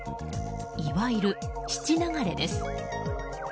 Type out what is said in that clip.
いわゆる質流れです。